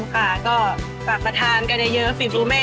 ก็ฝากมาทานกันเยอะฝีมดูแม่